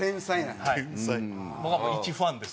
僕はいちファンです